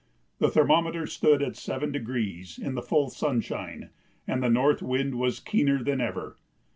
The thermometer stood at 7° in the full sunshine, and the north wind was keener than ever.